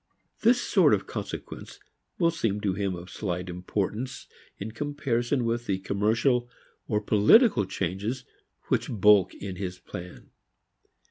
This sort of consequence will seem to him of slight importance in comparison with the commercial or political changes which bulk in his plans.